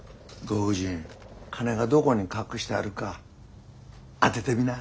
ご婦人金がどこに隠してあるか当ててみな？